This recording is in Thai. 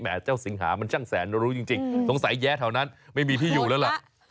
เจ้าสิงหามันช่างแสนรู้จริงสงสัยแย้แถวนั้นไม่มีที่อยู่แล้วล่ะ